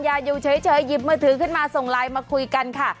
อยู่เฉยหยิบมือถือขึ้นมาส่งไลน์มาคุยกันค่ะ